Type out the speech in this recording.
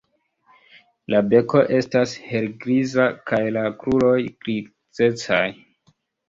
La beko estas helgriza kaj la kruroj grizecaj.